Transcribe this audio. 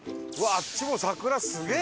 あっちも桜すげえ！